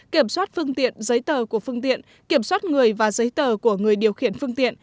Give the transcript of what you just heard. kiểm soát phương tiện giấy tờ của phương tiện kiểm soát người và giấy tờ của người điều khiển phương tiện